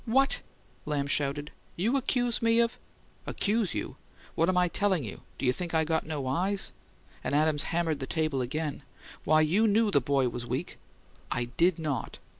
"What!" Lamb shouted. "You accuse me of " "'Accuse you?' What am I telling you? Do you think I got no EYES?" And Adams hammered the table again. "Why, you knew the boy was weak " "I did not!"